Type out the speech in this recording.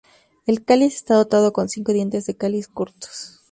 El cáliz está dotado con cinco dientes del cáliz cortos.